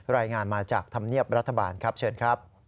รายงานมาจากธรรมเนียบรัฐบาลครับเชิญครับ